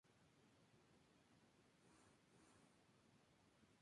La capital regional es la ciudad de Tlapa.